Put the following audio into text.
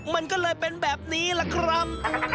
มันก็เลยเป็นแบบนี้ล่ะครับ